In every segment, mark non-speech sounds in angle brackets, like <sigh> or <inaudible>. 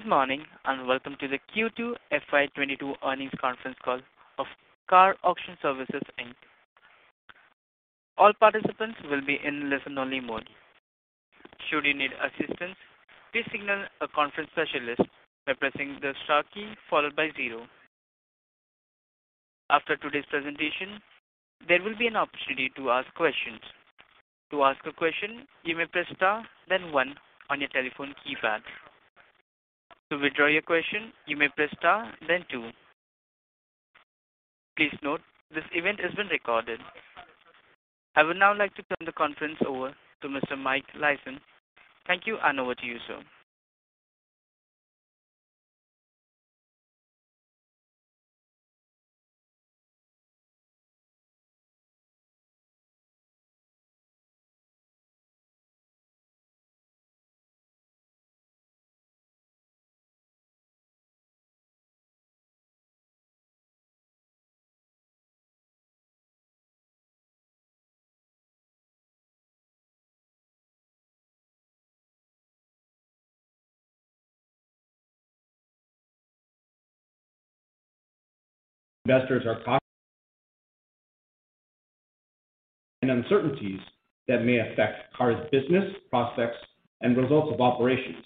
Good morning, and welcome to the Q2 FY 2022 Earnings Conference Call of KAR Auction Services, Inc. All participants will be in listen-only mode. Should you need assistance, please signal a conference specialist by pressing the star key followed by zero. After today's presentation, there will be an opportunity to ask questions. To ask a question, you may press star then one on your telephone keypad. To withdraw your question, you may press star then two. Please note this event is being recorded. I would now like to turn the conference over to Mr. Mike Eliason. Thank you, and over to you, sir. <audio distortion> There are risks and uncertainties that may affect KAR's business prospects and results of operations,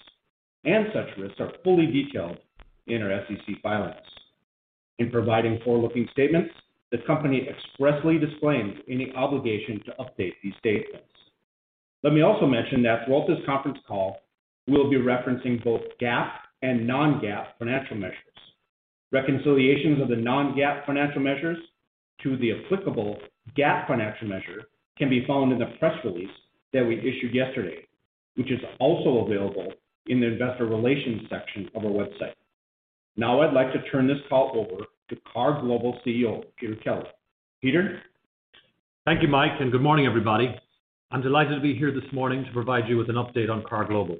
and such risks are fully detailed in our SEC filings. In providing forward-looking statements, the company expressly disclaims any obligation to update these statements. Let me also mention that throughout this conference call, we'll be referencing both GAAP and non-GAAP financial measures. Reconciliations of the non-GAAP financial measures to the applicable GAAP financial measure can be found in the press release that we issued yesterday, which is also available in the Investor Relations section of our website. Now I'd like to turn this call over to KAR Global CEO, Peter Kelly. Peter? Thank you, Mike, and good morning, everybody. I'm delighted to be here this morning to provide you with an update on KAR Global.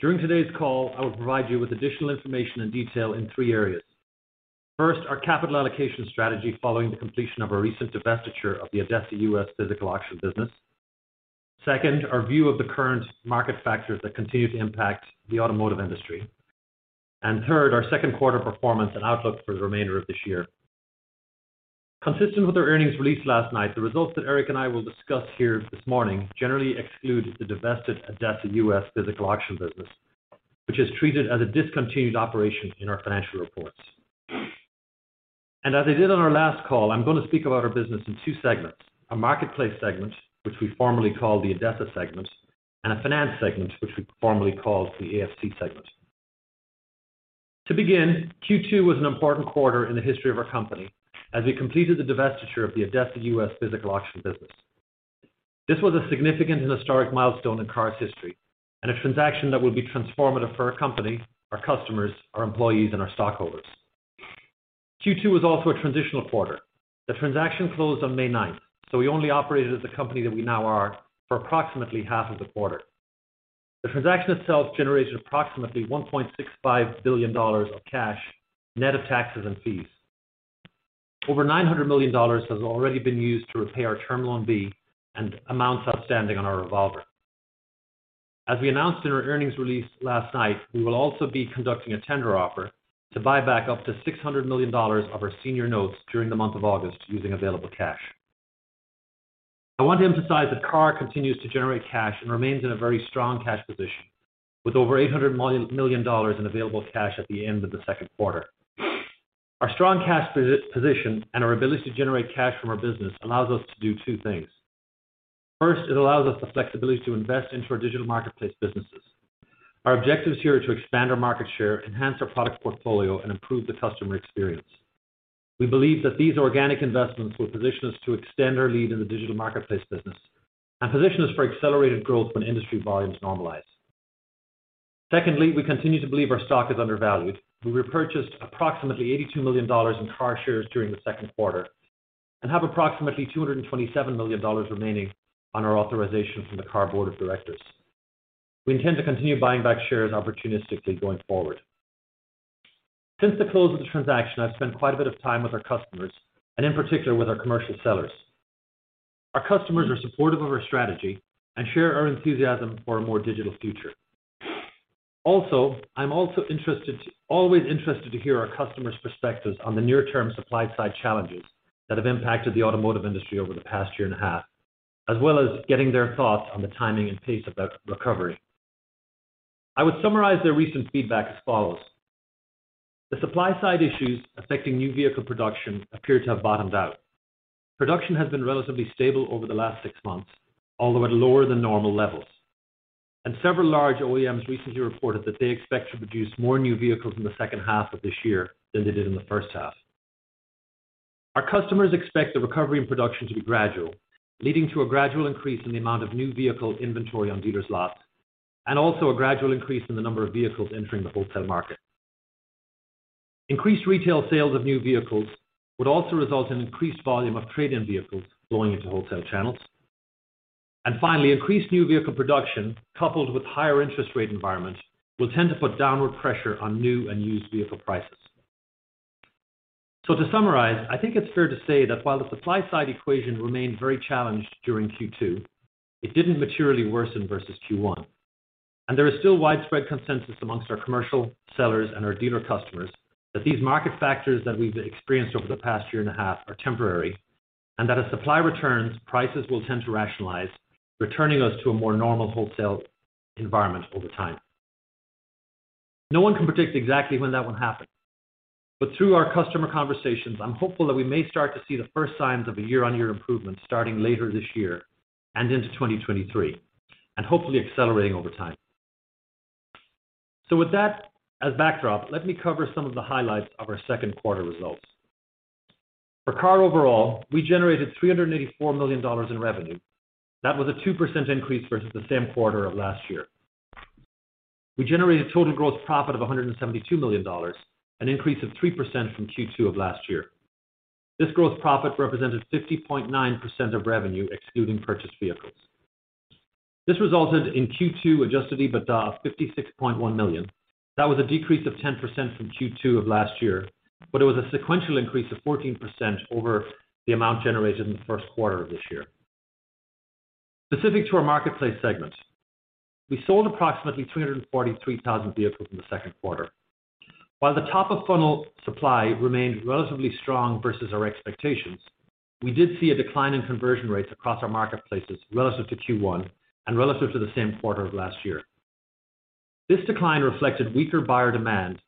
During today's call, I will provide you with additional information and detail in three areas. First, our capital allocation strategy following the completion of our recent divestiture of the ADESA U.S. physical auction business. Second, our view of the current market factors that continue to impact the automotive industry. And third, our second quarter performance and outlook for the remainder of this year. Consistent with our earnings release last night, the results that Eric and I will discuss here this morning generally exclude the divested ADESA U.S. physical auction business, which is treated as a discontinued operation in our financial reports. As I did on our last call, I'm going to speak about our business in two segments, a Marketplace segment, which we formerly called the ADESA segment, and a Finance segment, which we formerly called the AFC segment. To begin, Q2 was an important quarter in the history of our company as we completed the divestiture of the ADESA U.S. physical auction business. This was a significant and historic milestone in KAR's history and a transaction that will be transformative for our company, our customers, our employees and our stockholders. Q2 was also a transitional quarter. The transaction closed on May 9th, so we only operated as a company that we now are for approximately half of the quarter. The transaction itself generated approximately $1.65 billion of cash, net of taxes and fees. Over $900 million has already been used to repay our Term Loan B and amounts outstanding on our revolver. As we announced in our earnings release last night, we will also be conducting a tender offer to buy back up to $600 million of our senior notes during the month of August using available cash. I want to emphasize that KAR continues to generate cash and remains in a very strong cash position with over $800 million in available cash at the end of the second quarter. Our strong cash position and our ability to generate cash from our business allows us to do two things. First, it allows us the flexibility to invest into our digital marketplace businesses. Our objectives here are to expand our market share, enhance our product portfolio and improve the customer experience. We believe that these organic investments will position us to extend our lead in the digital marketplace business and position us for accelerated growth when industry volumes normalize. Secondly, we continue to believe our stock is undervalued. We repurchased approximately $82 million in KAR shares during the second quarter and have approximately $227 million remaining on our authorization from the KAR Board of Directors. We intend to continue buying back shares opportunistically going forward. Since the close of the transaction, I've spent quite a bit of time with our customers and in particular with our commercial sellers. Our customers are supportive of our strategy and share our enthusiasm for a more digital future. Always interested to hear our customers perspectives on the near term supply side challenges that have impacted the automotive industry over the past year-and-a-half, as well as getting their thoughts on the timing and pace of that recovery. I would summarize their recent feedback as follows. The supply side issues affecting new vehicle production appear to have bottomed out. Production has been relatively stable over the last six months, although at lower than normal levels. Several large OEMs recently reported that they expect to produce more new vehicles in the second half of this year than they did in the first half. Our customers expect the recovery in production to be gradual, leading to a gradual increase in the amount of new vehicle inventory on dealers lots, and also a gradual increase in the number of vehicles entering the wholesale market. Increased retail sales of new vehicles would also result in increased volume of trade-in vehicles going into wholesale channels. Finally, increased new vehicle production coupled with higher interest rate environment will tend to put downward pressure on new and used vehicle prices. To summarize, I think it's fair to say that while the supply side equation remained very challenged during Q2, it didn't materially worsen versus Q1. There is still widespread consensus amongst our commercial sellers and our dealer customers that these market factors that we've experienced over the past year-and-a-half are temporary, and that as supply returns, prices will tend to rationalize, returning us to a more normal wholesale environment over time. No one can predict exactly when that will happen. Through our customer conversations, I'm hopeful that we may start to see the first signs of a year-on-year improvement starting later this year and into 2023, and hopefully accelerating over time. With that as backdrop, let me cover some of the highlights of our second quarter results. For KAR overall, we generated $384 million in revenue. That was a 2% increase versus the same quarter of last year. We generated total gross profit of $172 million, an increase of 3% from Q2 of last year. This gross profit represented 50.9% of revenue excluding purchased vehicles. This resulted in Q2 Adjusted EBITDA of $56.1 million. That was a decrease of 10% from Q2 of last year, but it was a sequential increase of 14% over the amount generated in the first quarter of this year. Specific to our Marketplace segment, we sold approximately 343,000 vehicles in the second quarter. While the top of funnel supply remained relatively strong versus our expectations, we did see a decline in conversion rates across our marketplaces relative to Q1 and relative to the same quarter of last year. This decline reflected weaker buyer demand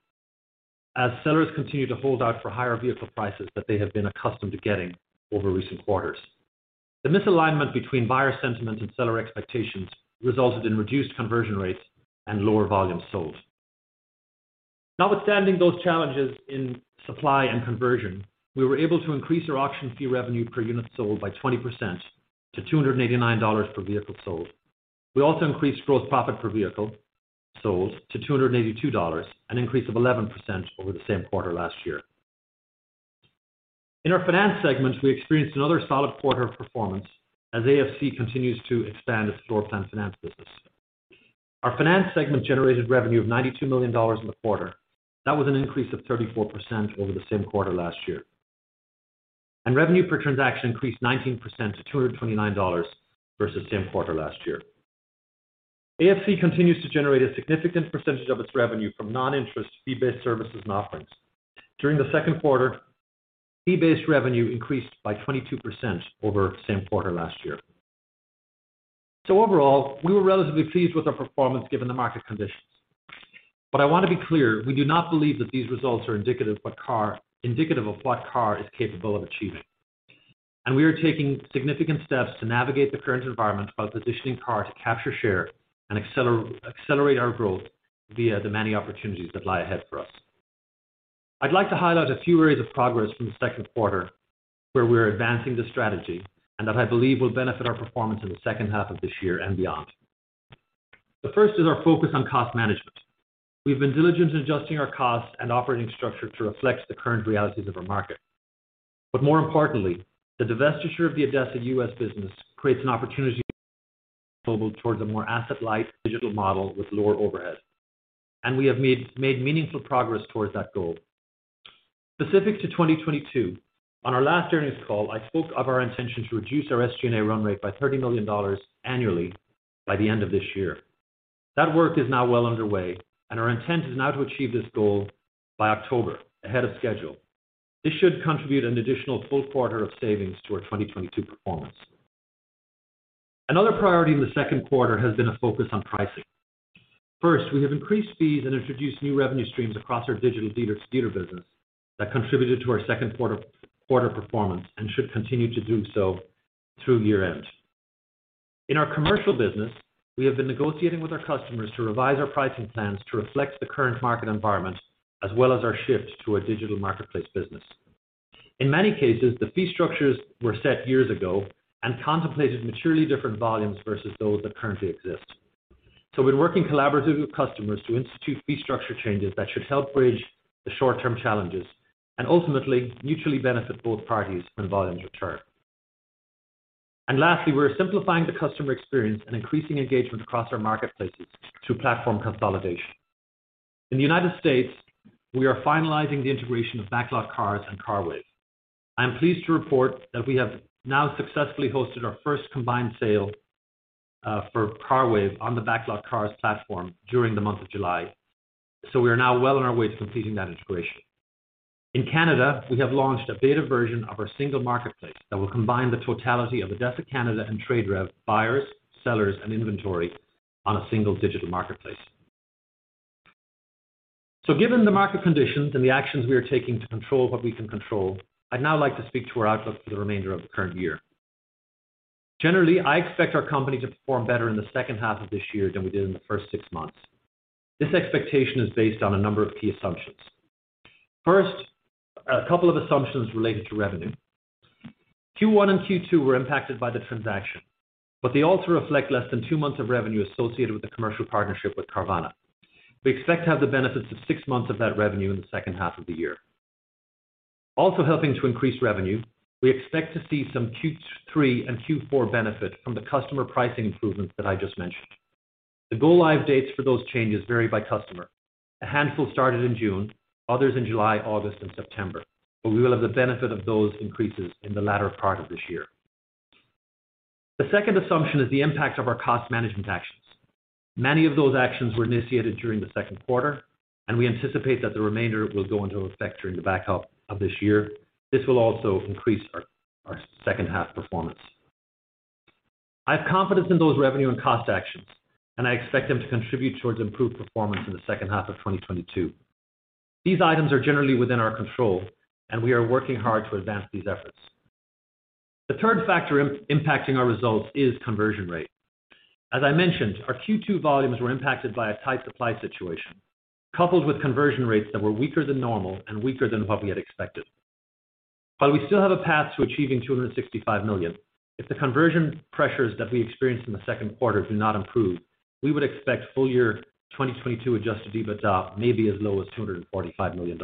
as sellers continued to hold out for higher vehicle prices that they have been accustomed to getting over recent quarters. The misalignment between buyer sentiment and seller expectations resulted in reduced conversion rates and lower volumes sold. Notwithstanding those challenges in supply and conversion, we were able to increase our auction fee revenue per unit sold by 20% to $289 per vehicle sold. We also increased gross profit per vehicle sold to $282, an increase of 11% over the same quarter last year. In our Finance segment, we experienced another solid quarter of performance as AFC continues to expand its floor plan finance business. Our Finance segment generated revenue of $92 million in the quarter. That was an increase of 34% over the same quarter last year. Revenue per transaction increased 19% to $229 versus same quarter last year. AFC continues to generate a significant percentage of its revenue from non-interest fee-based services and offerings. During the second quarter, fee-based revenue increased by 22% over same quarter last year. Overall, we were relatively pleased with our performance given the market conditions. I want to be clear, we do not believe that these results are indicative of what KAR is capable of achieving. We are taking significant steps to navigate the current environment while positioning KAR to capture share and accelerate our growth via the many opportunities that lie ahead for us. I'd like to highlight a few areas of progress from the second quarter where we're advancing the strategy and that I believe will benefit our performance in the second half of this year and beyond. The first is our focus on cost management. We've been diligent in adjusting our costs and operating structure to reflect the current realities of our market. More importantly, the divestiture of the ADESA U.S. business creates an opportunity for KAR Global towards a more asset-light digital model with lower overhead. We have made meaningful progress towards that goal. Specific to 2022, on our last earnings call, I spoke of our intention to reduce our SG&A run rate by $30 million annually by the end of this year. That work is now well underway, and our intent is now to achieve this goal by October, ahead of schedule. This should contribute an additional full quarter of savings to our 2022 performance. Another priority in the second quarter has been a focus on pricing. First, we have increased fees and introduced new revenue streams across our digital dealer-to-dealer business that contributed to our second quarter performance and should continue to do so through year-end. In our commercial business, we have been negotiating with our customers to revise our pricing plans to reflect the current market environment, as well as our shift to a digital marketplace business. In many cases, the fee structures were set years ago and contemplated materially different volumes versus those that currently exist. We're working collaboratively with customers to institute fee structure changes that should help bridge the short-term challenges and ultimately mutually benefit both parties when volumes return. Lastly, we're simplifying the customer experience and increasing engagement across our marketplaces through platform consolidation. In the United States, we are finalizing the integration of BacklotCars and CARWAVE. I'm pleased to report that we have now successfully hosted our first combined sale for CARWAVE on the BacklotCars platform during the month of July. We are now well on our way to completing that integration. In Canada, we have launched a beta version of our single marketplace that will combine the totality of ADESA Canada and TradeRev buyers, sellers, and inventory on a single digital marketplace. Given the market conditions and the actions we are taking to control what we can control, I'd now like to speak to our outlook for the remainder of the current year. Generally, I expect our company to perform better in the second half of this year than we did in the first six months. This expectation is based on a number of key assumptions. First, a couple of assumptions related to revenue. Q1 and Q2 were impacted by the transaction, but they also reflect less than two months of revenue associated with the commercial partnership with Carvana. We expect to have the benefits of six months of that revenue in the second half of the year. Also helping to increase revenue, we expect to see some Q3 and Q4 benefit from the customer pricing improvements that I just mentioned. The go live dates for those changes vary by customer. A handful started in June, others in July, August and September, but we will have the benefit of those increases in the latter part of this year. The second assumption is the impact of our cost management actions. Many of those actions were initiated during the second quarter, and we anticipate that the remainder will go into effect during the back half of this year. This will also increase our second half performance. I have confidence in those revenue and cost actions, and I expect them to contribute towards improved performance in the second half of 2022. These items are generally within our control and we are working hard to advance these efforts. The third factor impacting our results is conversion rate. As I mentioned, our Q2 volumes were impacted by a tight supply situation, coupled with conversion rates that were weaker than normal and weaker than what we had expected. While we still have a path to achieving $265 million, if the conversion pressures that we experienced in the second quarter do not improve, we would expect full year 2022 Adjusted EBITDA maybe as low as $245 million.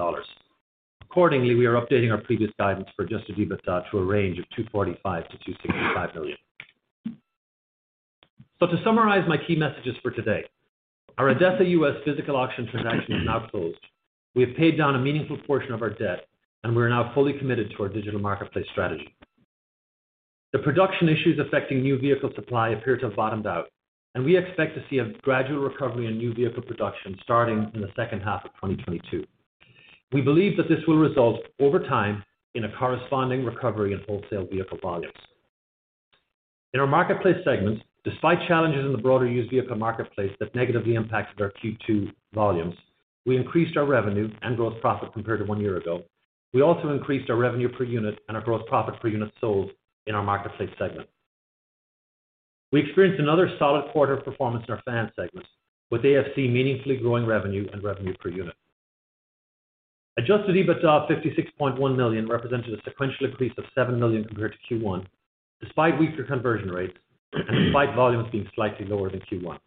Accordingly, we are updating our previous guidance for Adjusted EBITDA to a range of $245 million-$265 million. To summarize my key messages for today, our ADESA U.S. physical auction transaction is now closed. We have paid down a meaningful portion of our debt, and we are now fully committed to our digital marketplace strategy. The production issues affecting new vehicle supply appear to have bottomed out, and we expect to see a gradual recovery in new vehicle production starting in the second half of 2022. We believe that this will result over time in a corresponding recovery in wholesale vehicle volumes. In our Marketplace segment, despite challenges in the broader used vehicle marketplace that negatively impacted our Q2 volumes, we increased our revenue and gross profit compared to one year ago. We also increased our revenue per unit and our gross profit per unit sold in our Marketplace segment. We experienced another solid quarter of performance in our Finance segment, with AFC meaningfully growing revenue and revenue per unit. Adjusted EBITDA of $56.1 million represented a sequential increase of $7 million compared to Q1, despite weaker conversion rates and despite volumes being slightly lower than Q1.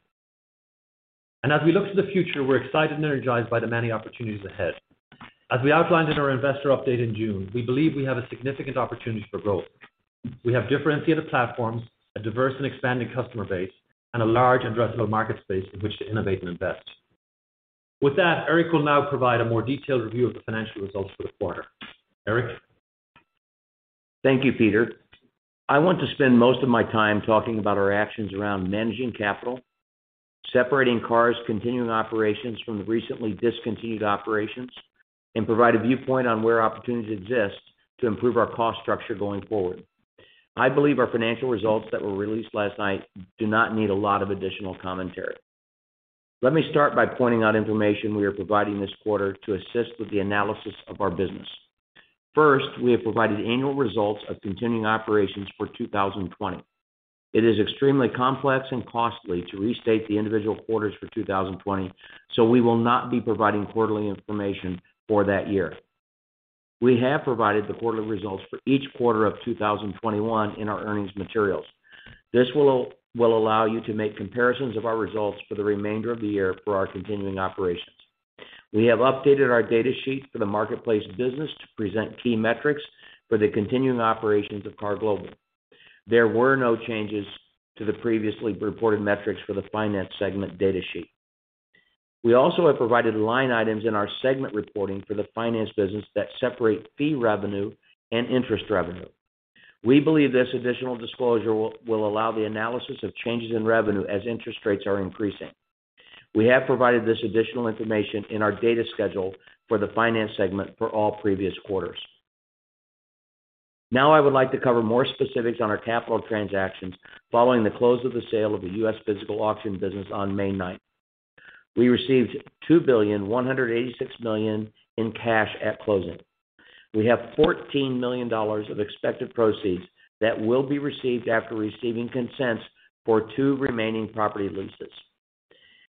As we look to the future, we're excited and energized by the many opportunities ahead. As we outlined in our investor update in June, we believe we have a significant opportunity for growth. We have differentiated platforms, a diverse and expanding customer base, and a large addressable market space in which to innovate and invest. With that, Eric will now provide a more detailed review of the financial results for the quarter. Eric? Thank you, Peter. I want to spend most of my time talking about our actions around managing capital, separating KAR's continuing operations from the recently discontinued operations, and provide a viewpoint on where opportunities exist to improve our cost structure going forward. I believe our financial results that were released last night do not need a lot of additional commentary. Let me start by pointing out information we are providing this quarter to assist with the analysis of our business. First, we have provided annual results of continuing operations for 2020. It is extremely complex and costly to restate the individual quarters for 2020, so we will not be providing quarterly information for that year. We have provided the quarterly results for each quarter of 2021 in our earnings materials. This will allow you to make comparisons of our results for the remainder of the year for our continuing operations. We have updated our data sheet for the marketplace business to present key metrics for the continuing operations of KAR Global. There were no changes to the previously reported metrics for the Finance segment data sheet. We also have provided line items in our segment reporting for the finance business that separate fee revenue and interest revenue. We believe this additional disclosure will allow the analysis of changes in revenue as interest rates are increasing. We have provided this additional information in our data schedule for the Finance segment for all previous quarters. Now I would like to cover more specifics on our capital transactions following the close of the sale of the U.S. physical auction business on May 9th. We received $2.186 billion in cash at closing. We have $14 million of expected proceeds that will be received after receiving consents for two remaining property leases.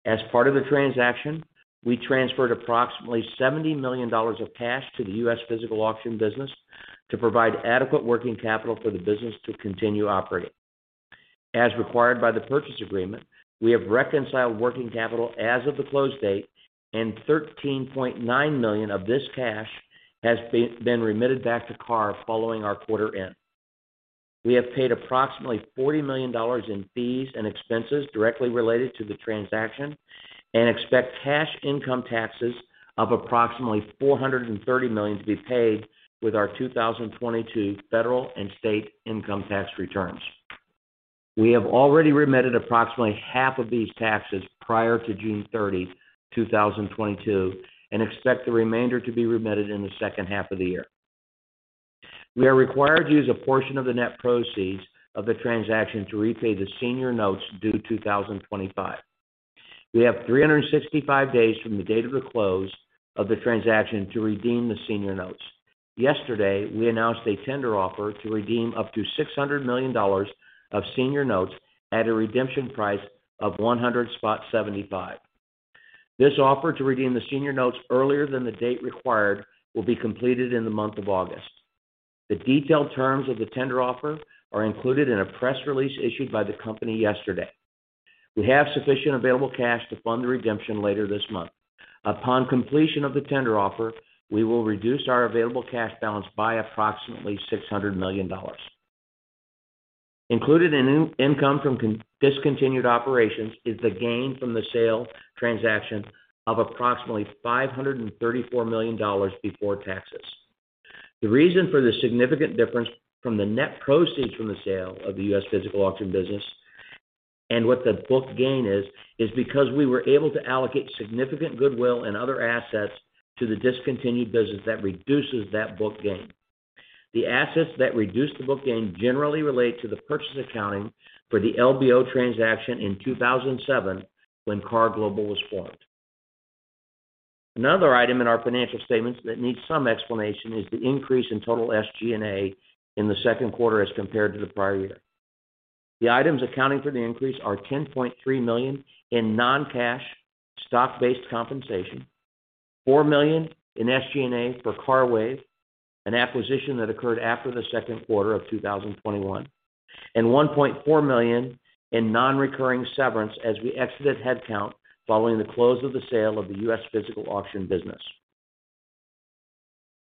As part of the transaction, we transferred approximately $70 million of cash to the U.S. physical auction business to provide adequate working capital for the business to continue operating. As required by the purchase agreement, we have reconciled working capital as of the close date, and $13.9 million of this cash has been remitted back to KAR following our quarter end. We have paid approximately $40 million in fees and expenses directly related to the transaction and expect cash income taxes of approximately $430 million to be paid with our 2022 federal and state income tax returns. We have already remitted approximately half of these taxes prior to June 30, 2022, and expect the remainder to be remitted in the second half of the year. We are required to use a portion of the net proceeds of the transaction to repay the senior notes due 2025. We have 365 days from the date of the close of the transaction to redeem the senior notes. Yesterday, we announced a tender offer to redeem up to $600 million of senior notes at a redemption price of 100.75. This offer to redeem the senior notes earlier than the date required will be completed in the month of August. The detailed terms of the tender offer are included in a press release issued by the company yesterday. We have sufficient available cash to fund the redemption later this month. Upon completion of the tender offer, we will reduce our available cash balance by approximately $600 million. Included in income from discontinued operations is the gain from the sale transaction of approximately $534 million before taxes. The reason for the significant difference from the net proceeds from the sale of the U.S. physical auction business and what the book gain is because we were able to allocate significant goodwill and other assets to the discontinued business that reduces that book gain. The assets that reduce the book gain generally relate to the purchase accounting for the LBO transaction in 2007 when KAR Global was formed. Another item in our financial statements that needs some explanation is the increase in total SG&A in the second quarter as compared to the prior year. The items accounting for the increase are $10.3 million in non-cash stock-based compensation, $4 million in SG&A for CARWAVE, an acquisition that occurred after the second quarter of 2021, and $1.4 million in non-recurring severance as we exited headcount following the close of the sale of the U.S. physical auction business.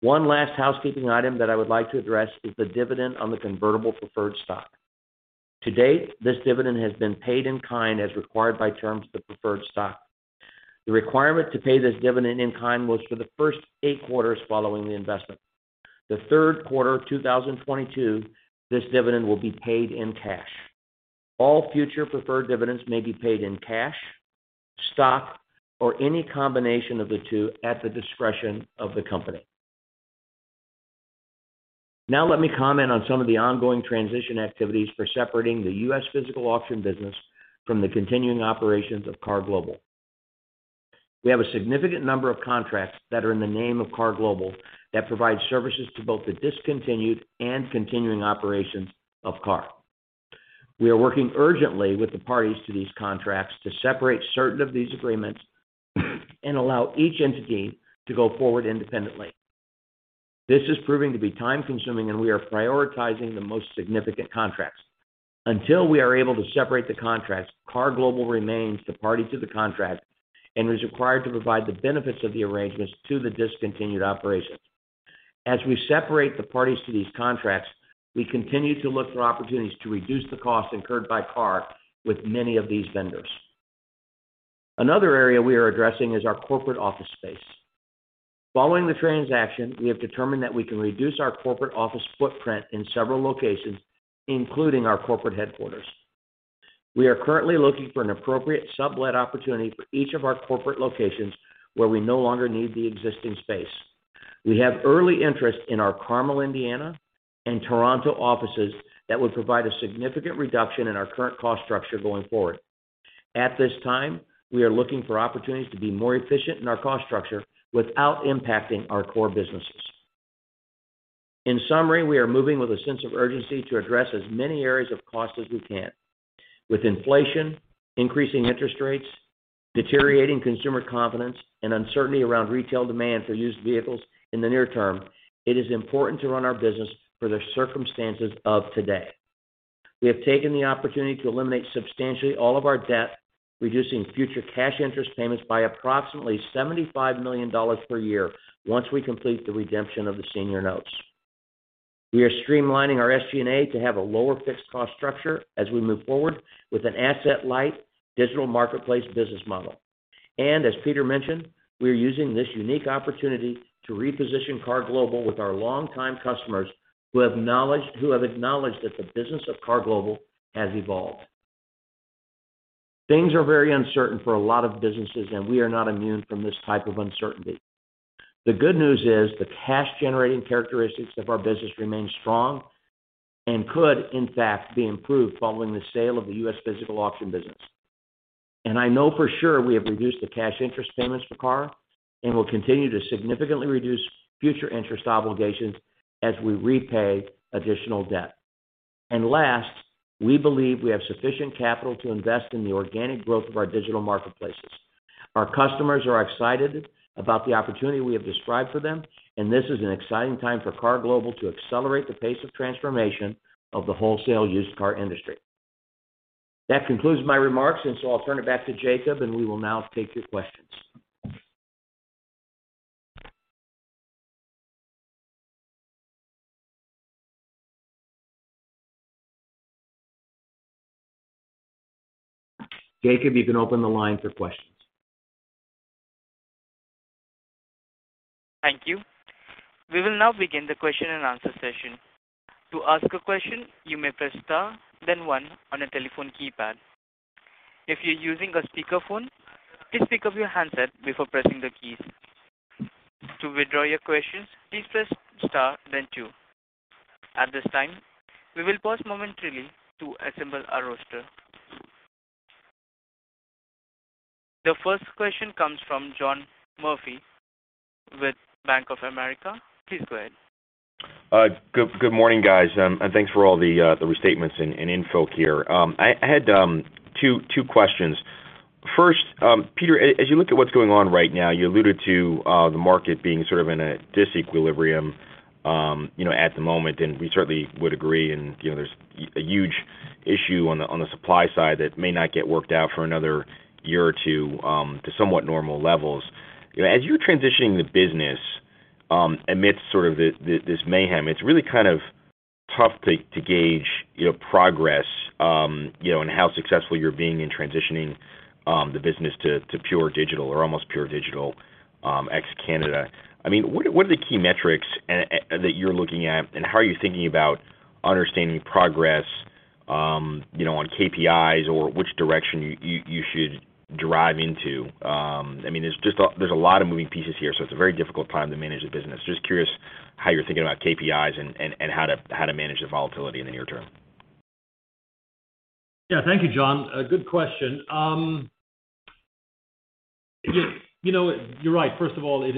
One last housekeeping item that I would like to address is the dividend on the convertible preferred stock. To date, this dividend has been paid in kind as required by terms of the preferred stock. The requirement to pay this dividend in kind was for the first eight quarters following the investment. The third quarter of 2022, this dividend will be paid in cash. All future preferred dividends may be paid in cash, stock, or any combination of the two at the discretion of the company. Now let me comment on some of the ongoing transition activities for separating the U.S. physical auction business from the continuing operations of KAR Global. We have a significant number of contracts that are in the name of KAR Global that provide services to both the discontinued and continuing operations of KAR. We are working urgently with the parties to these contracts to separate certain of these agreements and allow each entity to go forward independently. This is proving to be time-consuming, and we are prioritizing the most significant contracts. Until we are able to separate the contracts, KAR Global remains the party to the contract and is required to provide the benefits of the arrangements to the discontinued operations. As we separate the parties to these contracts, we continue to look for opportunities to reduce the costs incurred by KAR with many of these vendors. Another area we are addressing is our corporate office space. Following the transaction, we have determined that we can reduce our corporate office footprint in several locations, including our corporate headquarters. We are currently looking for an appropriate sublet opportunity for each of our corporate locations where we no longer need the existing space. We have early interest in our Carmel, Indiana, and Toronto offices that would provide a significant reduction in our current cost structure going forward. At this time, we are looking for opportunities to be more efficient in our cost structure without impacting our core businesses. In summary, we are moving with a sense of urgency to address as many areas of cost as we can. With inflation, increasing interest rates, deteriorating consumer confidence, and uncertainty around retail demand for used vehicles in the near term, it is important to run our business for the circumstances of today. We have taken the opportunity to eliminate substantially all of our debt, reducing future cash interest payments by approximately $75 million per year once we complete the redemption of the senior notes. We are streamlining our SG&A to have a lower fixed cost structure as we move forward with an asset-light digital marketplace business model. As Peter mentioned, we are using this unique opportunity to reposition KAR Global with our longtime customers who have acknowledged that the business of KAR Global has evolved. Things are very uncertain for a lot of businesses, and we are not immune from this type of uncertainty. The good news is the cash-generating characteristics of our business remain strong and could, in fact, be improved following the sale of the U.S. physical auction business. I know for sure we have reduced the cash interest payments for KAR and will continue to significantly reduce future interest obligations as we repay additional debt. Last, we believe we have sufficient capital to invest in the organic growth of our digital marketplaces. Our customers are excited about the opportunity we have described for them, and this is an exciting time for KAR Global to accelerate the pace of transformation of the wholesale used car industry. That concludes my remarks, and so I'll turn it back to Jacob, and we will now take your questions. Jacob, you can open the line for questions. Thank you. We will now begin the question-and-answer session. To ask a question, you may press star, then one on a telephone keypad. If you're using a speakerphone, please pick up your handset before pressing the keys. To withdraw your questions, please press star, then two. At this time, we will pause momentarily to assemble our roster. The first question comes from John Murphy with Bank of America. Please go ahead. Good morning, guys, and thanks for all the restatements and info here. I had two questions. First, Peter, as you look at what's going on right now, you alluded to the market being sort of in a disequilibrium, you know, at the moment, and we certainly would agree. You know, there's a huge issue on the supply side that may not get worked out for another year or two to somewhat normal levels. You know, as you're transitioning the business, amidst sort of this mayhem, it's really kind of tough to gauge, you know, progress, you know, and how successful you're being in transitioning the business to pure digital or almost pure digital, ex Canada. I mean, what are the key metrics and that you're looking at, and how are you thinking about understanding progress, you know, on KPIs or which direction you should drive into? I mean, there's just a lot of moving pieces here, so it's a very difficult time to manage the business. Just curious how you're thinking about KPIs and how to manage the volatility in the near term. Yeah. Thank you, John. A good question. You know, you're right. First of all, it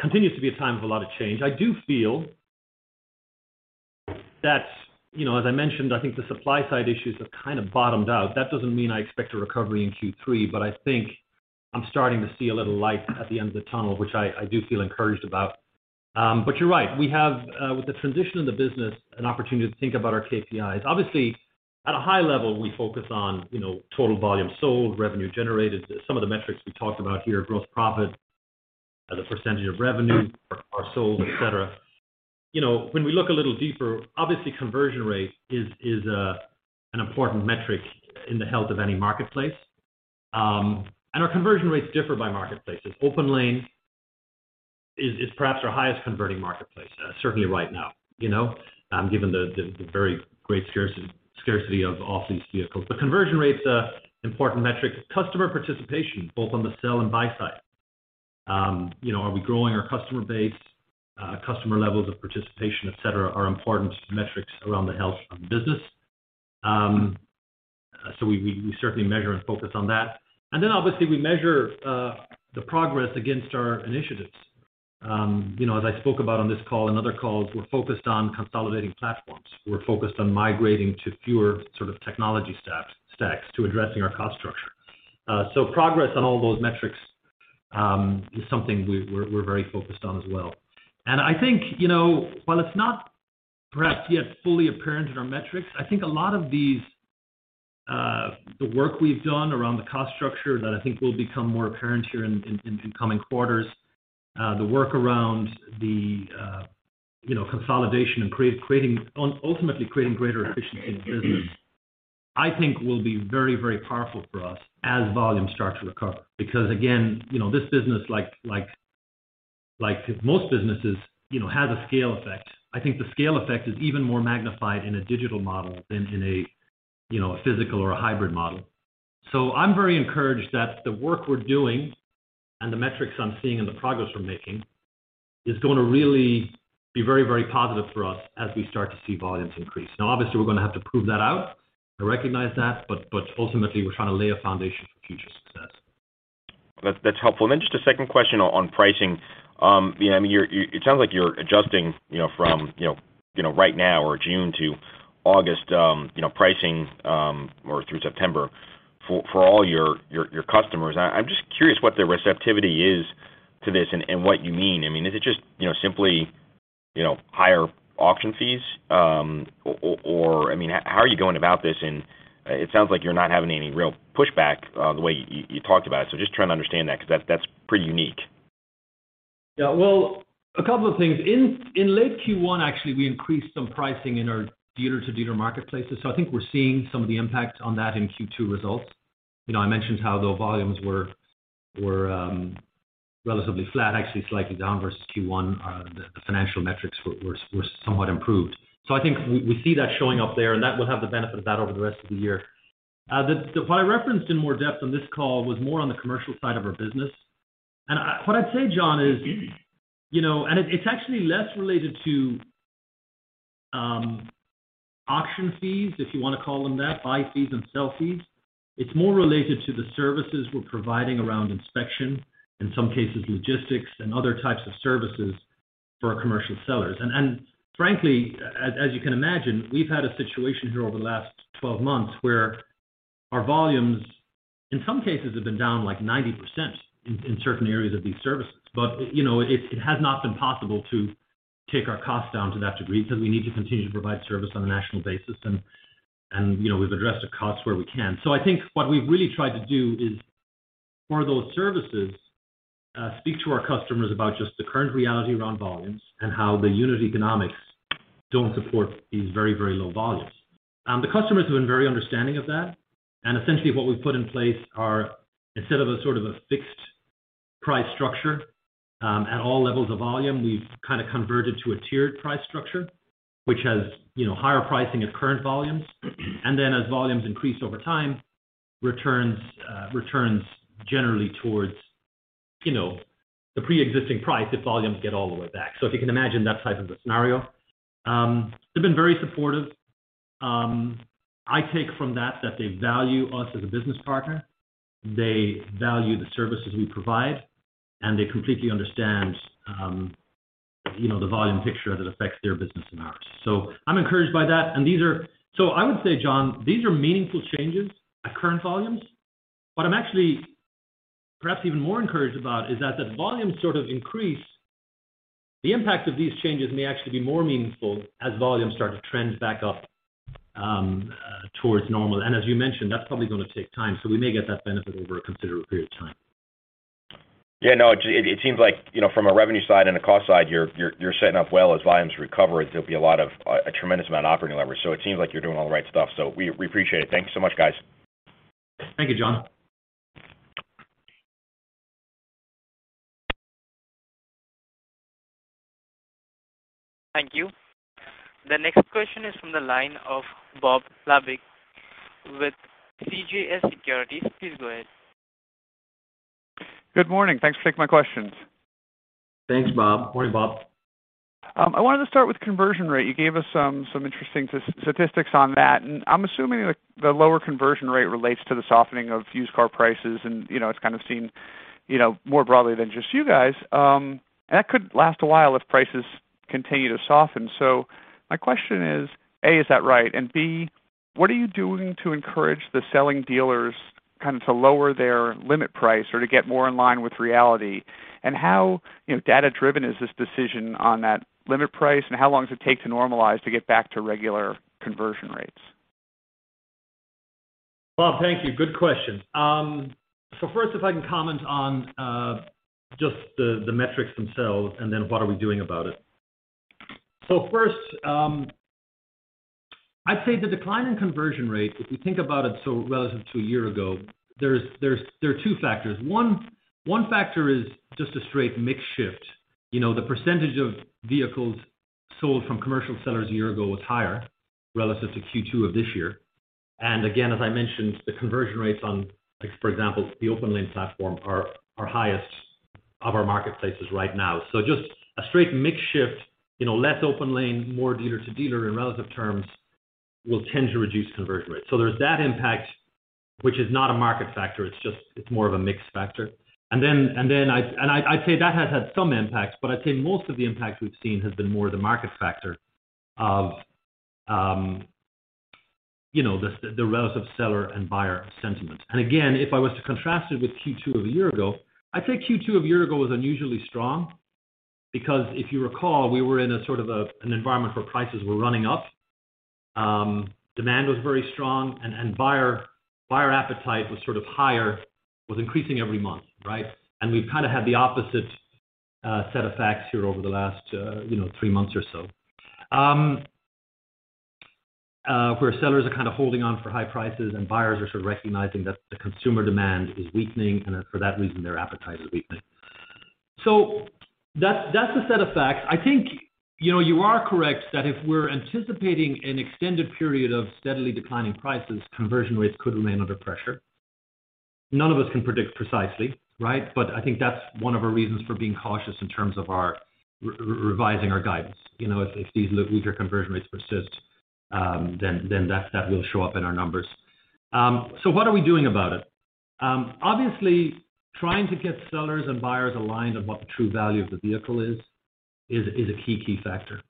continues to be a time of a lot of change. I do feel that, you know, as I mentioned, I think the supply side issues have kind of bottomed out. That doesn't mean I expect a recovery in Q3, but I think I'm starting to see a little light at the end of the tunnel, which I do feel encouraged about. But you're right. We have, with the transition of the business, an opportunity to think about our KPIs. Obviously, at a high level, we focus on, you know, total volume sold, revenue generated, some of the metrics we talked about here, gross profit as a percentage of revenue or sold, et cetera. You know, when we look a little deeper, obviously, conversion rate is an important metric in the health of any marketplace. Our conversion rates differ by marketplace. OPENLANE is perhaps our highest converting marketplace, certainly right now, you know? Given the very great scarcity of off-lease vehicles. But conversion rate's an important metric. Customer participation, both on the sell and buy side, you know, are we growing our customer base, customer levels of participation, et cetera, are important metrics around the health of the business. We certainly measure and focus on that. Obviously, we measure the progress against our initiatives. You know, as I spoke about on this call and other calls, we're focused on consolidating platforms. We're focused on migrating to fewer sort of technology stacks to addressing our cost structure. Progress on all those metrics is something we're very focused on as well. I think, you know, while it's not perhaps yet fully apparent in our metrics, I think a lot of these, the work we've done around the cost structure that I think will become more apparent here in coming quarters, the work around the, you know, consolidation and ultimately creating greater efficiency in the business, I think will be very, very powerful for us as volumes start to recover. Again, you know, this business like most businesses, you know, has a scale effect. I think the scale effect is even more magnified in a digital model than in a, you know, a physical or a hybrid model. I'm very encouraged that the work we're doing and the metrics I'm seeing and the progress we're making is going to really be very, very positive for us as we start to see volumes increase. Now, obviously, we're going to have to prove that out. I recognize that, but ultimately, we're trying to lay a foundation for future success. That's helpful. Then just a second question on pricing. Yeah, I mean, it sounds like you're adjusting from right now or June to August, you know, pricing or through September for all your customers. I'm just curious what the receptivity is to this and what you mean. I mean, is it just, you know, simply, you know, higher auction fees or I mean, how are you going about this? It sounds like you're not having any real pushback the way you talked about it. Just trying to understand that because that's pretty unique. Yeah. Well, a couple of things. In late Q1, actually, we increased some pricing in our dealer-to-dealer marketplaces, so I think we're seeing some of the impact on that in Q2 results. You know, I mentioned how the volumes were relatively flat, actually slightly down versus Q1. The financial metrics were somewhat improved. So I think we see that showing up there, and that will have the benefit of that over the rest of the year. What I referenced in more depth on this call was more on the commercial side of our business. What I'd say, John, is you know it's actually less related to auction fees, if you want to call them that, buy fees and sell fees. It's more related to the services we're providing around inspection, in some cases, logistics and other types of services for our commercial sellers. Frankly, as you can imagine, we've had a situation here over the last 12 months where our volumes, in some cases, have been down like 90% in certain areas of these services. You know, it has not been possible to take our costs down to that degree because we need to continue to provide service on a national basis. You know, we've addressed the costs where we can. I think what we've really tried to do is for those services, speak to our customers about just the current reality around volumes and how the unit economics don't support these very, very low volumes. The customers have been very understanding of that. Essentially, what we've put in place are, instead of a sort of a fixed price structure, at all levels of volume, we've kind of converted to a tiered price structure, which has, you know, higher pricing at current volumes. Then as volumes increase over time, returns generally towards, you know, the preexisting price if volumes get all the way back. If you can imagine that type of a scenario. They've been very supportive. I take from that they value us as a business partner, they value the services we provide, and they completely understand, you know, the volume picture that affects their business and ours. I'm encouraged by that. I would say, John, these are meaningful changes at current volumes. What I'm actually perhaps even more encouraged about is that the impact of these changes may actually be more meaningful as volumes start to trend back up, towards normal. As you mentioned, that's probably going to take time, so we may get that benefit over a considerable period of time. Yeah, no, it seems like, you know, from a revenue side and a cost side, you're setting up well as volumes recover. There'll be a tremendous amount of operating leverage. It seems like you're doing all the right stuff. We appreciate it. Thank you so much, guys. Thank you, John. Thank you. The next question is from the line of Bob Labick with CJS Securities. Please go ahead. Good morning. Thanks for taking my questions. Thanks, Bob. Morning, Bob. I wanted to start with conversion rate. You gave us some interesting statistics on that, and I'm assuming the lower conversion rate relates to the softening of used car prices and, you know, it's kind of seen, you know, more broadly than just you guys. That could last a while if prices continue to soften. My question is, A, is that right? And B, what are you doing to encourage the selling dealers kind of to lower their limit price or to get more in line with reality? And how, you know, data-driven is this decision on that limit price, and how long does it take to normalize to get back to regular conversion rates? Bob, thank you. Good question. First, if I can comment on just the metrics themselves and then what are we doing about it. First, I'd say the decline in conversion rate, if we think about it, relative to a year ago, there are two factors. One factor is just a straight mix shift. You know, the percentage of vehicles sold from commercial sellers a year ago was higher relative to Q2 of this year. And again, as I mentioned, the conversion rates on, for example, the OPENLANE platform are highest of our marketplaces right now. Just a straight mix shift, you know, less OPENLANE, more dealer-to-dealer in relative terms will tend to reduce conversion rates. There's that impact which is not a market factor, it's just more of a mix factor. I'd say that has had some impact, but I'd say most of the impact we've seen has been more the market factor of, you know, the relative seller and buyer sentiment. Again, if I was to contrast it with Q2 of a year ago, I'd say Q2 of a year ago was unusually strong because if you recall, we were in a sort of an environment where prices were running up, demand was very strong and buyer appetite was sort of higher, was increasing every month, right? We've kind of had the opposite set of facts here over the last, you know, three months or so. Where sellers are kind of holding on for high prices and buyers are sort of recognizing that the consumer demand is weakening, and for that reason, their appetite is weakening. That's the set of facts. I think, you know, you are correct that if we're anticipating an extended period of steadily declining prices, conversion rates could remain under pressure. None of us can predict precisely, right? I think that's one of our reasons for being cautious in terms of our revising our guidance. You know, if these weaker conversion rates persist, then that will show up in our numbers. What are we doing about it? Obviously trying to get sellers and buyers aligned on what the true value of the vehicle is a key factor.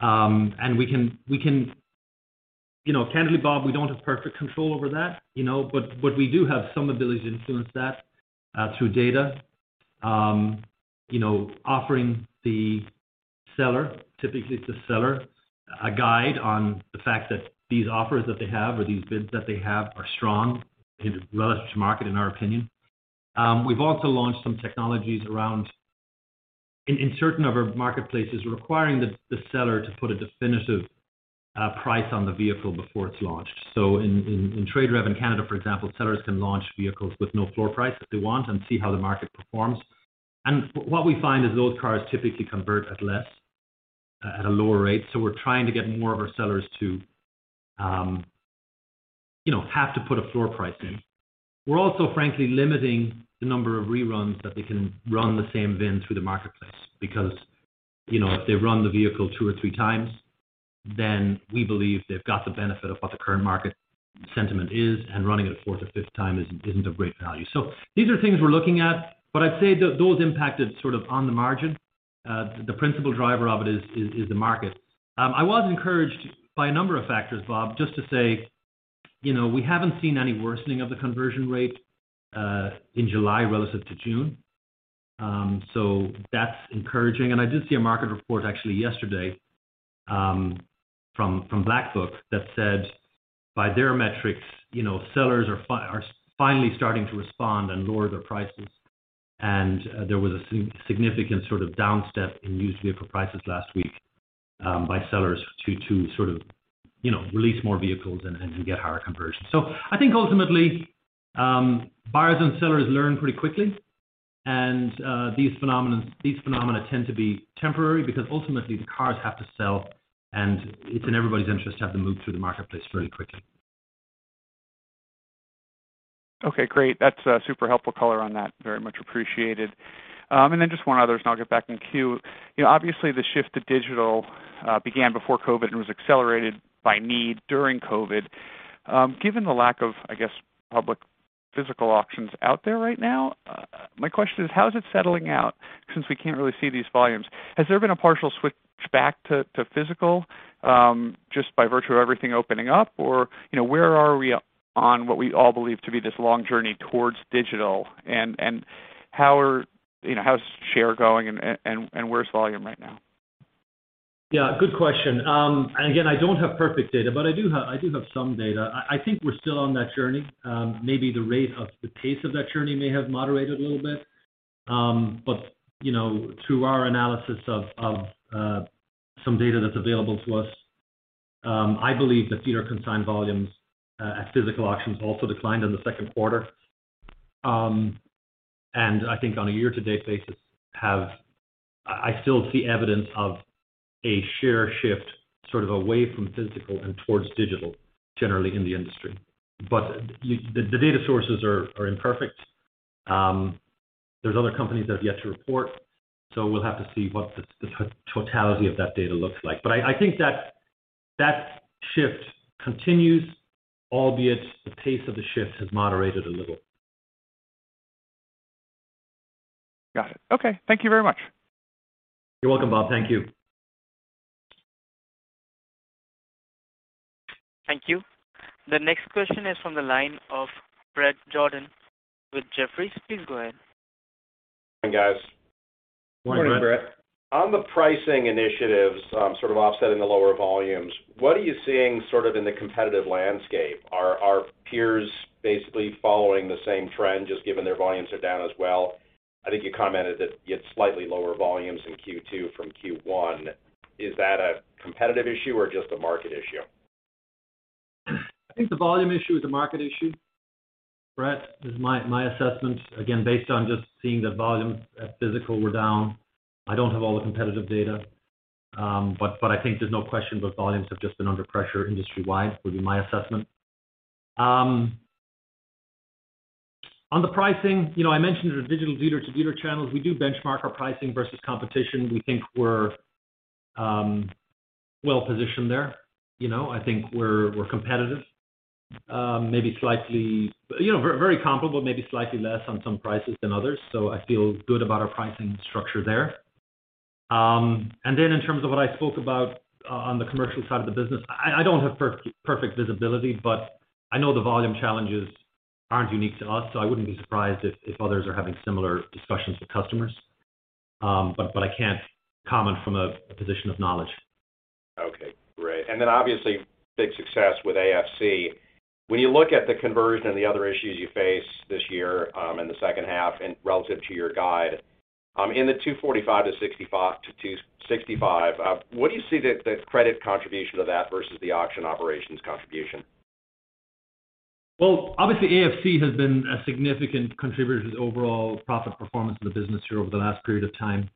We can. You know, candidly, Bob, we don't have perfect control over that, you know. We do have some ability to influence that through data, you know, offering the seller, typically it's the seller, a guide on the fact that these offers that they have or these bids that they have are strong relative to market in our opinion. We've also launched some technologies around in certain of our marketplaces requiring the seller to put a definitive price on the vehicle before it's launched. In TradeRev in Canada, for example, sellers can launch vehicles with no floor price if they want and see how the market performs. What we find is those cars typically convert at a lower rate. We're trying to get more of our sellers to, you know, have to put a floor price in. We're also frankly limiting the number of reruns that they can run the same VIN through the marketplace because, you know, if they run the vehicle two or three times, then we believe they've got the benefit of what the current market sentiment is, and running it a fourth or fifth time isn't of great value. These are things we're looking at, but I'd say those impacted sort of on the margin. The principal driver of it is the market. I was encouraged by a number of factors, Bob, just to say, you know, we haven't seen any worsening of the conversion rate in July relative to June. That's encouraging. I did see a market report actually yesterday, from Black Book that said by their metrics, you know, sellers are finally starting to respond and lower their prices. There was a significant sort of downstep in used vehicle prices last week, by sellers to sort of, you know, release more vehicles and get higher conversion. I think ultimately, buyers and sellers learn pretty quickly. These phenomena tend to be temporary because ultimately the cars have to sell and it's in everybody's interest to have them move through the marketplace very quickly. Okay, great. That's super helpful color on that. Very much appreciated. Then just one other and I'll get back in queue. You know, obviously the shift to digital began before COVID and was accelerated by need during COVID. Given the lack of, I guess, public physical auctions out there right now, my question is how is it settling out since we can't really see these volumes? Has there been a partial shift Back to physical, just by virtue of everything opening up or, you know, where are we on what we all believe to be this long journey towards digital, and how are you know, how's share going and where's volume right now? Yeah, good question. I don't have perfect data, but I do have some data. I think we're still on that journey. Maybe the rate of the pace of that journey may have moderated a little bit. You know, through our analysis of some data that's available to us, I believe the dealer consigned volumes at physical auctions also declined in the second quarter. I think on a year-to-date basis, I still see evidence of a share shift, sort of away from physical and towards digital generally in the industry. The data sources are imperfect. There's other companies that have yet to report, so we'll have to see what the totality of that data looks like. I think that shift continues, albeit the pace of the shift has moderated a little. Got it. Okay. Thank you very much. You're welcome, Bob. Thank you. Thank you. The next question is from the line of Bret Jordan with Jefferies. Please go ahead. Good morning, guys. Good morning, Bret. On the pricing initiatives, sort of offsetting the lower volumes, what are you seeing sort of in the competitive landscape? Are peers basically following the same trend just given their volumes are down as well? I think you commented that you had slightly lower volumes in Q2 from Q1. Is that a competitive issue or just a market issue? I think the volume issue is a market issue, Bret, is my assessment, again, based on just seeing the volume at physical were down. I don't have all the competitive data. I think there's no question both volumes have just been under pressure industry-wide, would be my assessment. On the pricing, you know, I mentioned the digital dealer-to-dealer channels. We do benchmark our pricing versus competition. We think we're well positioned there. You know, I think we're competitive. You know, very competitive, maybe slightly less on some prices than others, so I feel good about our pricing structure there. In terms of what I spoke about on the commercial side of the business, I don't have perfect visibility, but I know the volume challenges aren't unique to us, so I wouldn't be surprised if others are having similar discussions with customers. I can't comment from a position of knowledge. Okay, great. Then obviously, big success with AFC. When you look at the conversion and the other issues you face this year, in the second half and relative to your guide, in the $245 million-$265 million, what do you see the credit contribution to that versus the auction operations contribution? Well, obviously, AFC has been a significant contributor to the overall profit performance of the business here over the last period of time.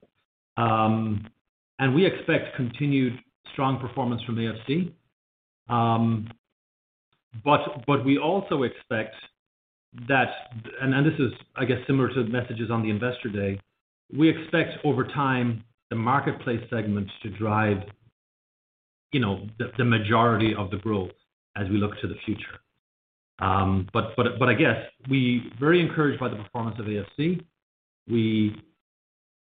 We expect continued strong performance from AFC. We also expect that, and this is, I guess, similar to the messages on the Investor Day, we expect over time the Marketplace segments to drive, you know, the majority of the growth as we look to the future. I guess we're very encouraged by the performance of AFC.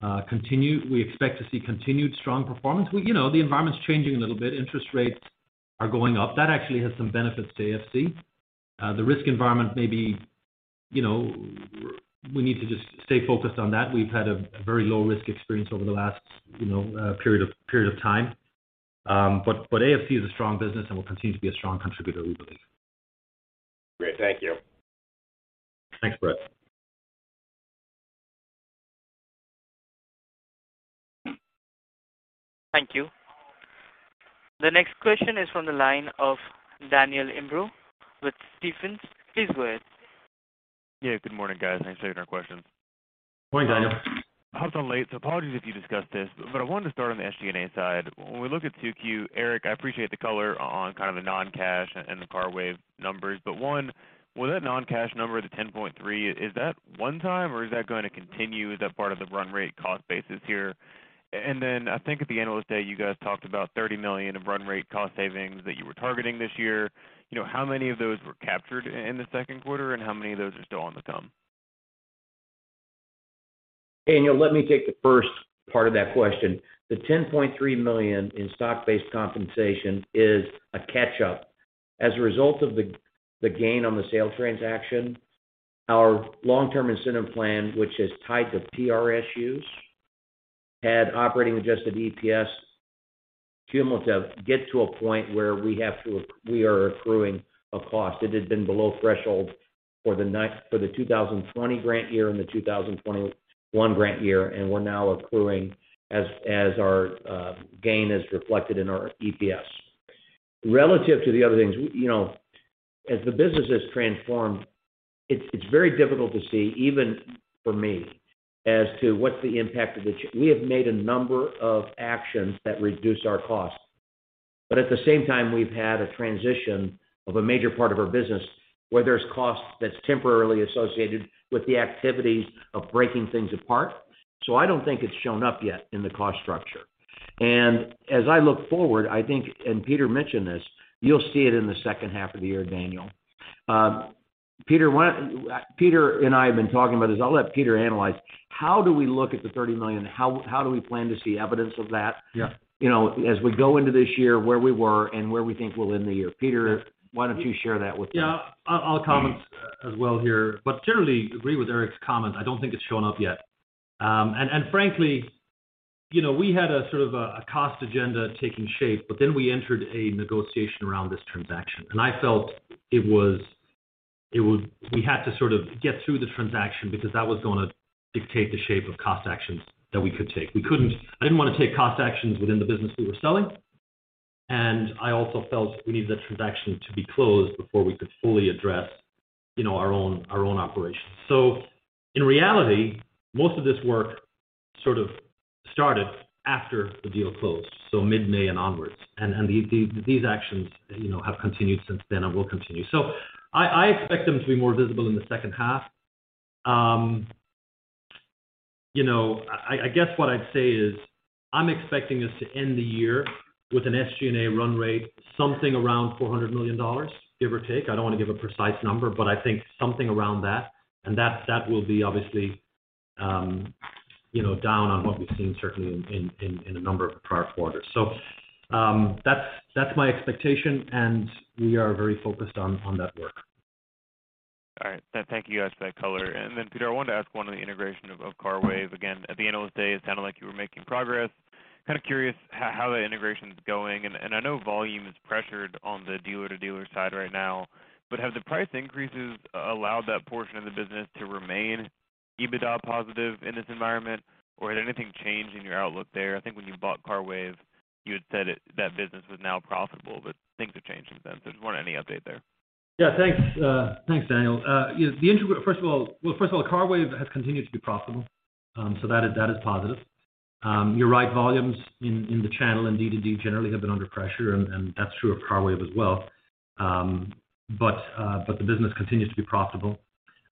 We expect to see continued strong performance. You know, the environment's changing a little bit. Interest rates are going up. That actually has some benefits to AFC. The risk environment may be, you know, we need to just stay focused on that. We've had a very low risk experience over the last, you know, period of time. AFC is a strong business and will continue to be a strong contributor, we believe. Great. Thank you. Thanks, Bret. Thank you. The next question is from the line of Daniel Imbro with Stephens. Please go ahead. Yeah, good morning, guys. Thanks for taking our questions. Morning, Daniel. I was on late, so apologies if you discussed this, but I wanted to start on the SG&A side. When we look at 2Q, Eric, I appreciate the color on kind of the non-cash and the CARWAVE numbers. One, with that non-cash number, the $10.3 million, is that one time, or is that going to continue? Is that part of the run rate cost basis here? Then I think at the Investor Day, you guys talked about $30 million of run rate cost savings that you were targeting this year. You know, how many of those were captured in the second quarter, and how many of those are still on the come? Daniel, let me take the first part of that question. The $10.3 million in stock-based compensation is a catch up. As a result of the gain on the sales transaction, our long-term incentive plan, which is tied to TSR use, had operating adjusted EPS cumulative get to a point where we are accruing a cost. It had been below threshold for the 2020 grant year and the 2021 grant year, and we're now accruing as our gain is reflected in our EPS. Relative to the other things, you know, as the business has transformed, it's very difficult to see, even for me, as to what the impact. We have made a number of actions that reduce our costs. At the same time, we've had a transition of a major part of our business where there's cost that's temporarily associated with the activities of breaking things apart. I don't think it's shown up yet in the cost structure. As I look forward, I think, and Peter mentioned this, you'll see it in the second half of the year, Daniel. Peter and I have been talking about this. I'll let Peter analyze. How do we look at the $30 million? How do we plan to see evidence of that? Yeah. You know, as we go into this year where we were and where we think we'll end the year. Peter, why don't you share that with us? Yeah. I'll comment as well here, but generally agree with Eric's comment. I don't think it's shown up yet. Frankly, you know, we had a sort of cost agenda taking shape, but then we entered a negotiation around this transaction. I felt we had to sort of get through the transaction because that was going to dictate the shape of cost actions that we could take. I didn't want to take cost actions within the business we were selling, and I also felt we needed the transaction to be closed before we could fully address, you know, our own operations. In reality, most of this work sort of started after the deal closed, so mid-May and onwards. These actions, you know, have continued since then and will continue. I expect them to be more visible in the second half. You know, I guess what I'd say is I'm expecting us to end the year with an SG&A run rate, something around $400 million, give or take. I don't want to give a precise number, but I think something around that. That will be obviously, you know, down on what we've seen certainly in a number of prior quarters. That's my expectation, and we are very focused on that work. All right. Thank you guys for that color. Peter, I wanted to ask one on the integration of CARWAVE again. At the end of the day, it sounded like you were making progress. kind of curious how that integration's going. I know volume is pressured on the dealer-to-dealer side right now, but have the price increases allowed that portion of the business to remain EBITDA positive in this environment, or had anything changed in your outlook there? I think when you bought CARWAVE, you had said it that business was now profitable, things have changed since then. If you want any update there. Yeah, thanks. Thanks, Daniel. Yeah, first of all, CARWAVE has continued to be profitable, so that is positive. You're right, volumes in the channel and D2D generally have been under pressure and that's true of CARWAVE as well. But the business continues to be profitable.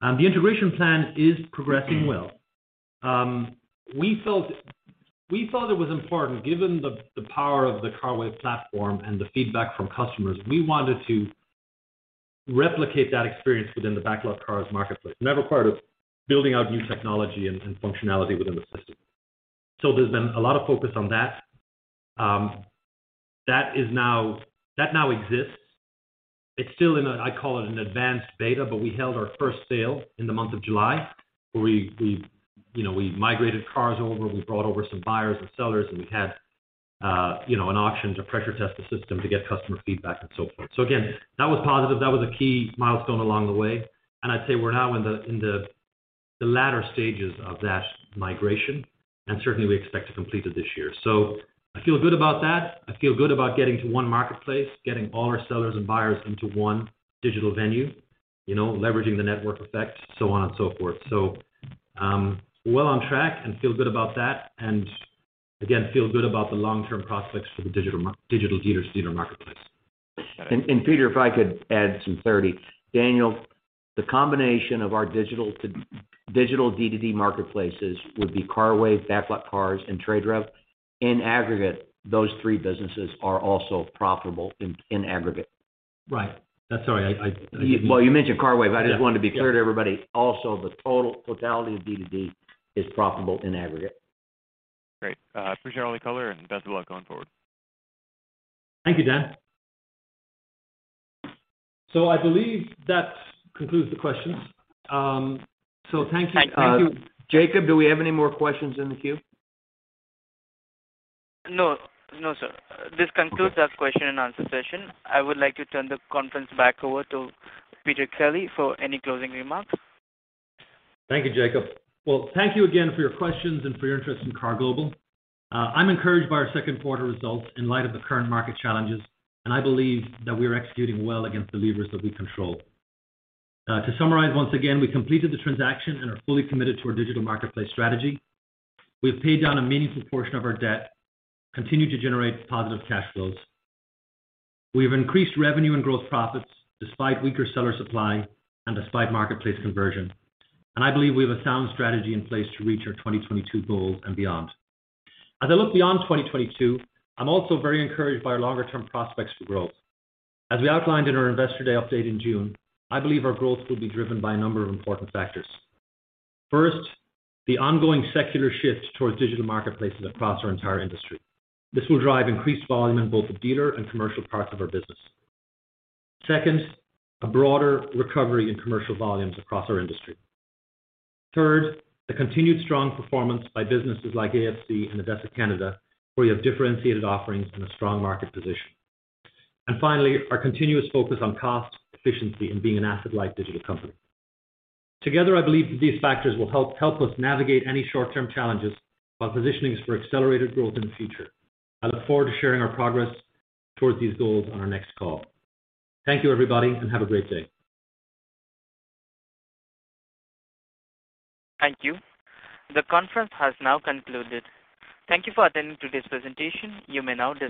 The integration plan is progressing well. We felt, we thought it was important, given the power of the CARWAVE platform and the feedback from customers, we wanted to replicate that experience within the BacklotCars marketplace. That required us building out new technology and functionality within the system. There's been a lot of focus on that. That now exists. It's still in a, I call it an advanced beta, but we held our first sale in the month of July, where we you know we migrated cars over, we brought over some buyers and sellers, and we had you know an auction to pressure test the system to get customer feedback and so forth. Again, that was positive. That was a key milestone along the way. I'd say we're now in the latter stages of that migration, and certainly we expect to complete it this year. I feel good about that. I feel good about getting to one marketplace, getting all our sellers and buyers into one digital venue, you know, leveraging the network effect, so on and so forth. Well on track and feel good about that. Again, feel good about the long-term prospects for the digital dealer-to-dealer marketplace. Peter, if I could add some clarity. Daniel, the combination of our digital D2D marketplaces would be CARWAVE, BacklotCars, and TradeRev. In aggregate, those three businesses are also profitable in aggregate. Right. I'm sorry, I didn't. Well, you mentioned CARWAVE. I just wanted to be clear to everybody. Also, the totality of D2D is profitable in aggregate. Great. Appreciate all the color and best of luck going forward. Thank you, Dan. I believe that concludes the questions. Thank you. Jacob, do we have any more questions in the queue? No, no, sir. This concludes our question-and-answer session. I would like to turn the conference back over to Peter Kelly for any closing remarks. Thank you, Jacob. Well, thank you again for your questions and for your interest in KAR Global. I'm encouraged by our second quarter results in light of the current market challenges, and I believe that we are executing well against the levers that we control. To summarize, once again, we completed the transaction and are fully committed to our digital marketplace strategy. We have paid down a meaningful portion of our debt, continue to generate positive cash flows. We have increased revenue and gross profits despite weaker seller supply and despite marketplace conversion. I believe we have a sound strategy in place to reach our 2022 goals and beyond. As I look beyond 2022, I'm also very encouraged by our longer term prospects for growth. As we outlined in our Investor Day update in June, I believe our growth will be driven by a number of important factors. First, the ongoing secular shift towards digital marketplaces across our entire industry. This will drive increased volume in both the dealer and commercial parts of our business. Second, a broader recovery in commercial volumes across our industry. Third, the continued strong performance by businesses like AFC and ADESA Canada, where we have differentiated offerings and a strong market position. Finally, our continuous focus on cost efficiency and being an asset-light digital company. Together, I believe these factors will help us navigate any short-term challenges while positioning us for accelerated growth in the future. I look forward to sharing our progress towards these goals on our next call. Thank you, everybody, and have a great day. Thank you. The conference has now concluded. Thank you for attending today's presentation. You may now disconnect.